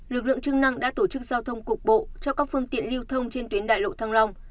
lực lượng chức năng đã tổ chức giao thông cục bộ cho các phương tiện lưu thông trên tuyến đại lộ thăng long